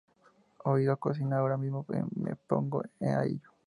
oído cocina. Ahora mismo me pongo a ello